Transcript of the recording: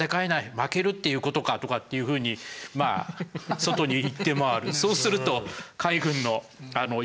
負けるっていうことか？」とかっていうふうにまあ外に言って回る。